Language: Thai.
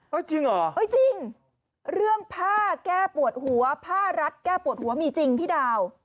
จริงเหรอเอ้ยจริงเรื่องผ้าแก้ปวดหัวผ้ารัดแก้ปวดหัวมีจริงพี่ดาว